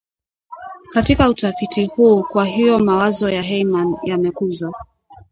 katika utafiti huu kwa hiyo mawazo ya Hyman yamekuza